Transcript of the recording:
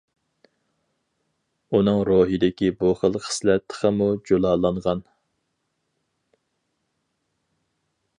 ئۇنىڭ روھىدىكى بۇ خىل خىسلەت تېخىمۇ جۇلالانغان.